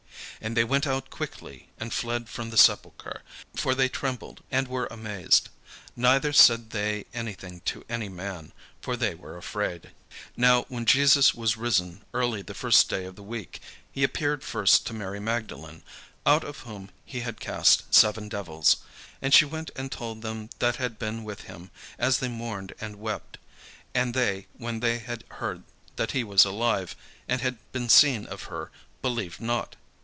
And they went out quickly, and fled from the sepulchre; for they trembled and were amazed: neither said they anything to any man; for they were afraid. Now when Jesus was risen early the first day of the week, he appeared first to Mary Magdalene, out of whom he had cast seven devils. And she went and told them that had been with him, as they mourned and wept. And they, when they had heard that he was alive, and had been seen of her, believed not.